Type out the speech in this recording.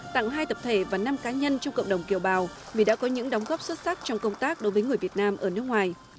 tặng hai tập thể và năm cá nhân trong cộng đồng kiều bào vì đã có những đóng góp xuất sắc trong công tác đối với người việt nam ở nước ngoài